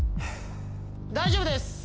大丈夫です。